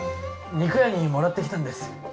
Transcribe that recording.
肉屋にもらってきたんです